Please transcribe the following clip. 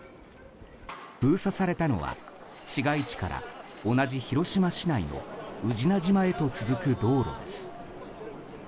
封鎖されたのは、市街地から同じ広島市内の宇品島へと続く道路です。